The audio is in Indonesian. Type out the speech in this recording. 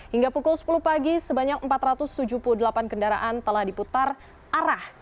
hingga pukul sepuluh pagi sebanyak empat ratus tujuh puluh delapan kendaraan telah diputar arah